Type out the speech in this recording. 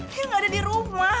dia gak ada di rumah